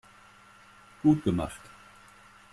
Gut gemacht.